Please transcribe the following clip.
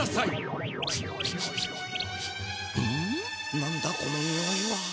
なんだこのにおいは。